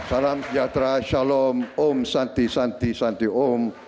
salam sejahtera shalom om shanti shanti shanti om